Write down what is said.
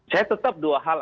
saya tetap dua hal